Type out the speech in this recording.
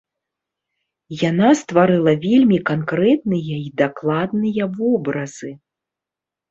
Яна стварыла вельмі канкрэтныя й дакладныя вобразы.